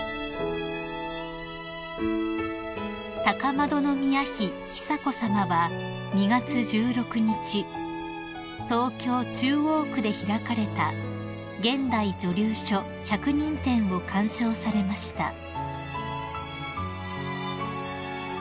［高円宮妃久子さまは２月１６日東京中央区で開かれた現代女流書１００人展を鑑賞されました］